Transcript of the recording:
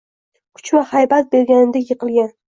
Kuch va xaybat berganidek yiqilgan